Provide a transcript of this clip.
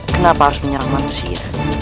kenapa harus menyerang manusia